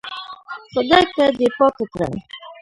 خدايکه دې پاکه کړه.